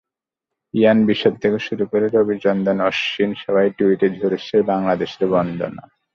ইয়ান Bishop থেকে শুরু করে রবিচন্দ্রন অশ্বিন সবার টুইটেই ঝরেছে বাংলাদেশের বন্দনা।